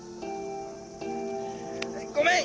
ごめん！